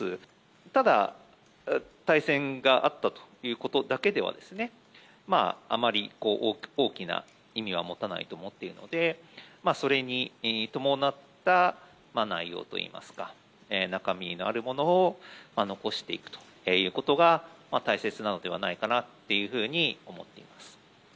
ただ、対戦があったということだけではですね、あまり大きな意味は持たないと思っているので、それに伴った内容といいますか、中身のあるものを残していくということが、大切なのではないかなというふうに思っています。